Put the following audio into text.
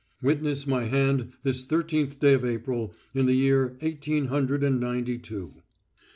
Witness my hand this thirteenth day of April in the year eighteen hundred and ninety two.